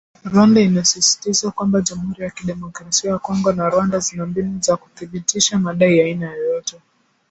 Rwanda inasisitiza kwamba Jamhuri ya kidemokrasia ya Kongo na Rwanda zina mbinu za kuthibitisha madai ya aina yoyote.